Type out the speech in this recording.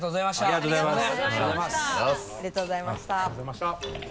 ありがとうございます。